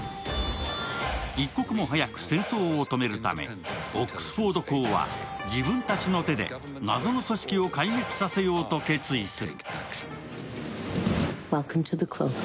一刻も早く戦争を止めるため、オックスフォード公は自分たちの手で謎の組織を壊滅させようと決意する。